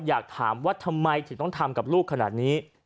อยากถามว่าทำไมถึงต้องทำกับลูกขนาดนี้